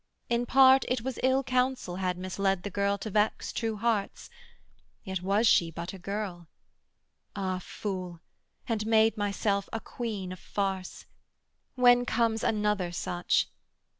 In part It was ill counsel had misled the girl To vex true hearts: yet was she but a girl 'Ah fool, and made myself a Queen of farce! When comes another such?